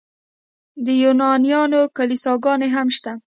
د یونانیانو کلیساګانې هم شته.